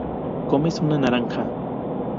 comes una naranja